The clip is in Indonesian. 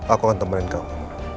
aku akan temenin kamu